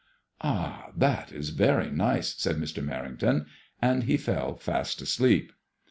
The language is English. "Ah! that is very nice," said Mr. Merrington, and he fell fast asleep.